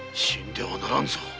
死んではならんぞ。